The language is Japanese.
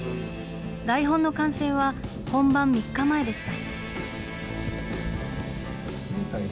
台本の完成は本番３日前でした。